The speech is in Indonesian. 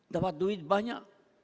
dapat duit banyak